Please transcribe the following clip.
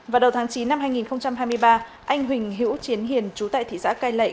vào đầu tháng chín năm hai nghìn hai mươi ba anh huỳnh hiễu chiến hiền chú tại thị xã cai lệ